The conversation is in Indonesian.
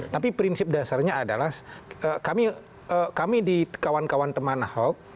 tapi prinsip dasarnya adalah kami di kawan kawan teman ahok